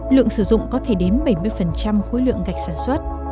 lượng sử dụng có thể đến bảy mươi khối lượng gạch sản xuất